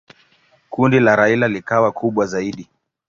Kundi la Raila likawa kubwa zaidi.